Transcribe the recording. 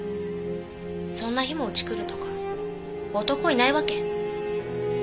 そんな日もうち来るとか男いないわけ？